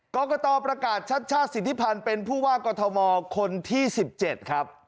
กรกตประกาศชัดชาติสิทธิพันธ์เป็นผู้ว่ากอทมคนที่๑๗ครับ